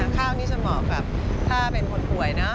ข้าวนี่จะเหมาะกับถ้าเป็นคนป่วยนะ